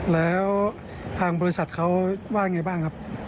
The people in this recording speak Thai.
แล้วทางบริษัทเขาว่าไงบ้างครับ